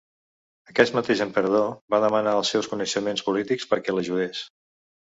Aquest mateix emperador va demanar els seus coneixements polítics perquè l'ajudés.